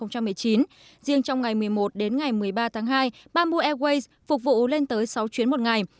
riêng trong ngày một mươi một đến ngày một mươi ba tháng hai bamboo airways phục vụ lên tới sáu chuyến một ngày